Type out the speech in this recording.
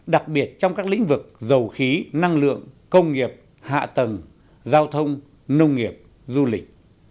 đặc biệt trong các lĩnh vực dầu khí năng lượng công nghiệp hạ tầng giao thông nông nghiệp du lịch